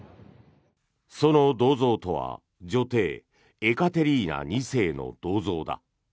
その銅像とは女帝エカテリーナ２世の銅像だ。